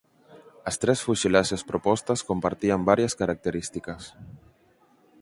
As tres fuselaxes propostas compartían varias características.